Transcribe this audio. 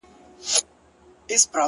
گراني دې ځاى كي دغه كار وچاته څه وركوي’